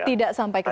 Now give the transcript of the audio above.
tidak sampai ke sana